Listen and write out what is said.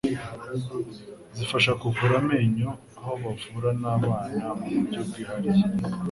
zifasha kuvura amenyo aho bavura n'abana mu buryo bwihariye.